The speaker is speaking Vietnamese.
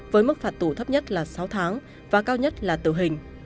với mức phạt tù thấp nhất là sáu tháng và cao nhất là tử hình